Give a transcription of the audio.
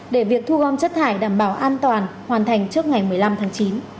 để việc thu gom chất thải đảm bảo an toàn hoàn thành trước ngày một mươi năm tháng chín